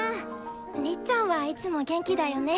りっちゃんはいつも元気だよね。